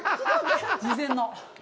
事前の。